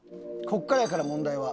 ここからやから問題は。